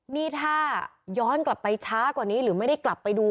นี่ถ้าย้อนกลับไปช้ากว่านี้หรือไม่ได้กลับไปดู